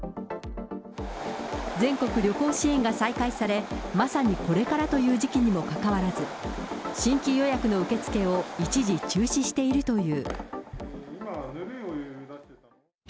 全国旅行支援が再開され、まさにこれからという時期にもかかわらず、新規予約の受け付けを一時中止しているという。